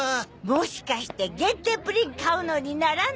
もしかして限定プリン買うのに並んでる？